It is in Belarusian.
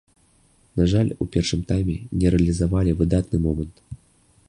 На жаль, у першым тайме не рэалізавалі выдатны момант.